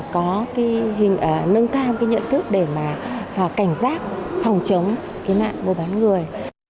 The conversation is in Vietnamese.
có nâng cao nhận thức để cảnh giác phòng chống nạn mùa bán người